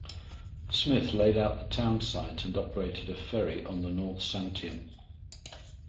Smith laid out the townsite and operated a ferry on the North Santiam.